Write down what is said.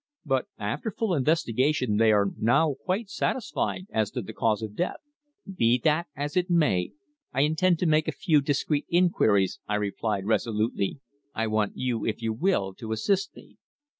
But after full investigation they are now quite satisfied as to the cause of death." "Be that as it may, I intend to make a few discreet inquiries," I replied resolutely. "I want you, if you will, to assist me."